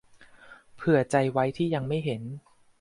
เผื่อใจไว้ที่ยังไม่เห็น